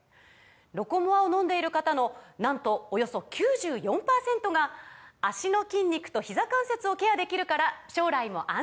「ロコモア」を飲んでいる方のなんとおよそ９４％が「脚の筋肉とひざ関節をケアできるから将来も安心！」とお答えです